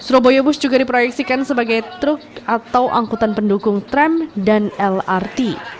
surabaya bus juga diproyeksikan sebagai truk atau angkutan pendukung tram dan lrt